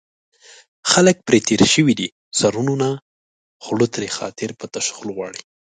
خلک پرې تېر شوي دي سرونو نه خوله ترېنه خاطر په تشه خوله غواړي